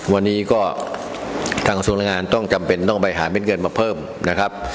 วันนี้ก็ทางกระทรวงแรงงานต้องจำเป็นต้องไปหาเม็ดเงินมาเพิ่มนะครับ